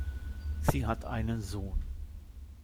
Sie hat einen Sohn.